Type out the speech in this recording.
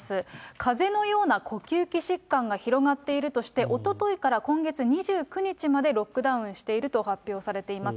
かぜのような呼吸器疾患が広がっているとして、おとといから今月２９日までロックダウンしていると発表されています。